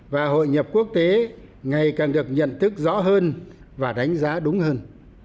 và hội nhập quốc tế ngày càng được nhận thức rõ hơn và đánh giá đúng hơn